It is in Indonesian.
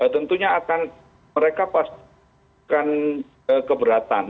tentunya akan mereka pastikan keberatan